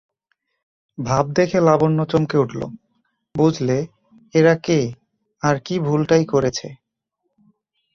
ভাব দেখে লাবণ্য চমকে উঠল, বুঝলে এরা কে আর কী ভুলটাই করেছে।